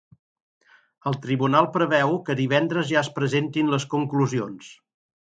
El tribunal preveu que divendres ja es presentin les conclusions.